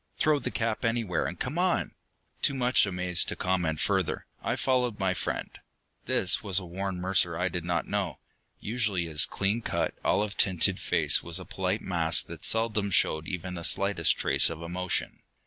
"Throw the cap anywhere and come on!" Too much amazed to comment further, I followed my friend. This was a Warren Mercer I did not know. Usually his clean cut, olive tinted face was a polite mask that seldom showed even the slightest trace of emotion.